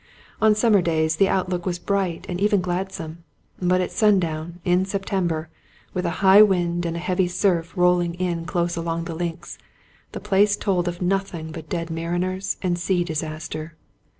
On summer days the outlook was bright and even gladsome; brut at sundown in September, with a high wind, and a heavy surf rolling in close along the links, the place told of nothing but dead mariners and sea disaster.